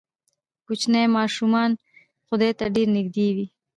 کوچني ماشومان خدای ته ډېر نږدې وي.